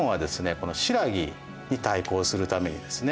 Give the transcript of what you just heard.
この新羅に対抗するためにですね